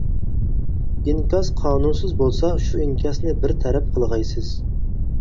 ئىنكاس قانۇنسىز بولسا، شۇ ئىنكاسنى بىر تەرەپ قىلغايسىز.